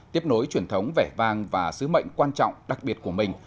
tiếp nối truyền thống vẻ vang và sứ mệnh quan trọng đặc biệt của mình